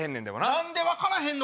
何で分からへんの？